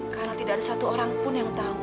karena tidak ada satu orang pun yang tau